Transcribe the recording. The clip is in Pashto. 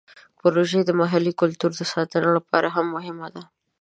پروژه د محلي کلتورونو د ساتنې لپاره هم مهمه ده.